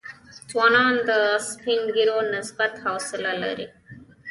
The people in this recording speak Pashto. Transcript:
ځوانان د سپین ږیرو نسبت حوصله لري.